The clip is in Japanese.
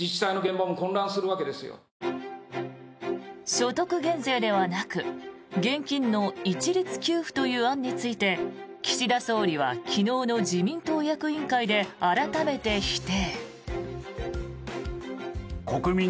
所得減税ではなく現金の一律給付という案について岸田総理は昨日の自民党役員会で改めて否定。